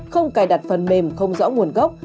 không cài đặt phần mềm không rõ nguồn gốc